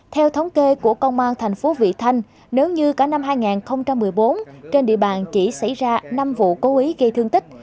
theo thống kê của công an thành phố vị thanh nếu như cả năm hai nghìn một mươi bốn trên địa bàn chỉ xảy ra năm vụ cố ý gây thương tích